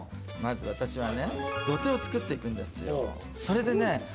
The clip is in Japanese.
まず私はね、土手を作っていくんですよ、それで。